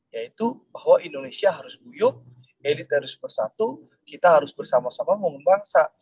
yaitu bahwa indonesia harus guyup elit harus bersatu kita harus bersama sama membangun bangsa